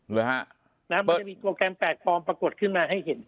มันจะมีโปรแกรมแปลกปลอมปรากฏขึ้นมาให้เห็น